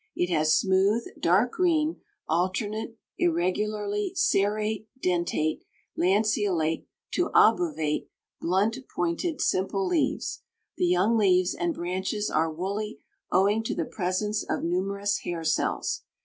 It has smooth, dark green, alternate, irregularly serrate dentate, lanceolate to obovate, blunt pointed, simple leaves. The young leaves and branches are woolly owing to the presence of numerous hair cells.